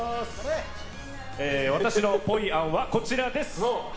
私のぽい案はこちらです。